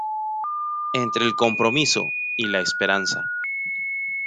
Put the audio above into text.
Entre el compromiso y la esperanza.